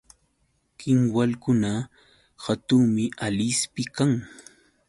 Kinwalkuna hatunmi Alispi kan.